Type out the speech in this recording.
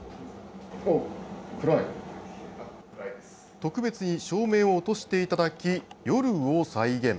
特別に照明を落としていただき、夜を再現。